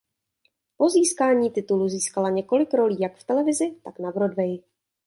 Po získání titulu získala několik rolí jak v televizi tak na Broadwayi.